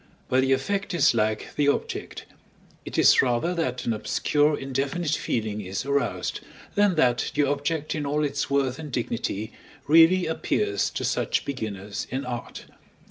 But the effect is like the object; it is rather that an obscure indefinite feeling is aroused, than that the object in all its worth and dignity really appears to such beginners in art.